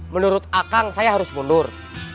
menurut akang saya harus mundur